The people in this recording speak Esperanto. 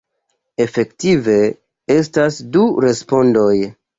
Efektive, estas du respondoj.